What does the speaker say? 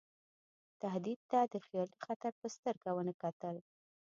تهدید ته د خیالي خطر په سترګه ونه کتل.